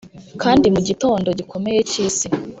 kandi mugitondo gikomeye cyisi;